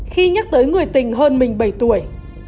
khi nhắc tới người tình hơn mình bảy tuổi